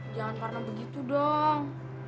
jangan karena begitu dong